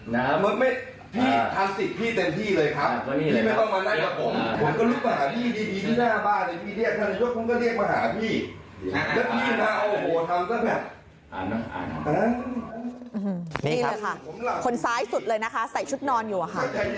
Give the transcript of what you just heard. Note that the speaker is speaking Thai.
นี่แหละค่ะคนซ้ายสุดเลยนะคะใส่ชุดนอนอยู่อะค่ะ